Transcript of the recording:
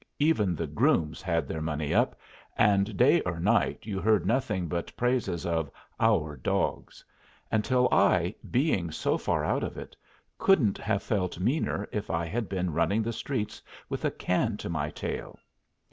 Even the grooms had their money up, and day or night you heard nothing but praises of "our" dogs, until I, being so far out of it, couldn't have felt meaner if I had been running the streets with a can to my tail.